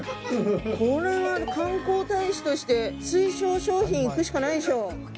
これは観光大使として推奨商品いくしかないでしょ。